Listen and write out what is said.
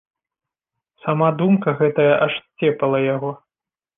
Сама думка гэтая аж сцепала яго.